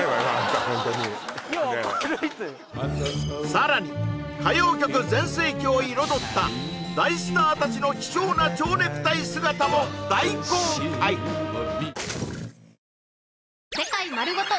いや明るいさらに歌謡曲全盛期を彩った大スター達の貴重な蝶ネクタイ姿も大公開うわ！！